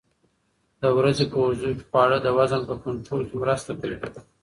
د ورځې په اوږدو کې خواړه د وزن په کنټرول کې مرسته کوي.